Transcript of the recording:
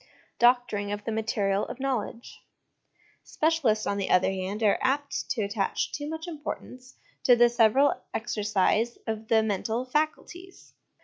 Doctoring of the Material of Knowledge. Specialists, on the other hand, are apt to attach too much importance to the several exercise of the mental ' faculties.'